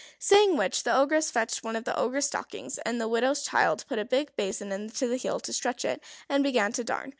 Saying which, the Ogress fetched one of the Ogre's stockings, and the widow's child put a big basin into the heel to stretch it, and began to darn.